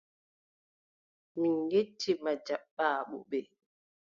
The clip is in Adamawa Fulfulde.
Min njetti ma jaɓɓaago ɓe.